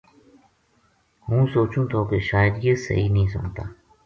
ہوں سوچوں تھو کہ شاید یہ صحیح نیہہ سُنتا